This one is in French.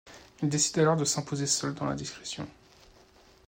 Il décide alors de s'imposer seul dans la discrétion.